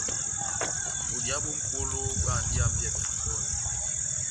Bodiya bó mʼpola bóhándi ihambiyɛbɛ na dɔlɛ.